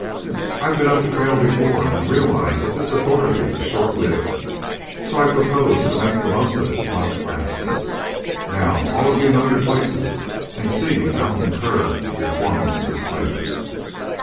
I've been up the trail before and realize that this authority is short lived, so I propose to make the most of it while it lasts. Now you all know your places, and see you don't incur your foreman's displeasure."